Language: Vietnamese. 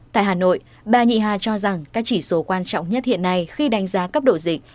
tại hà nội bà nhị hà cho rằng các chỉ số quan trọng nhất hiện nay khi đánh giá cấp độ dịch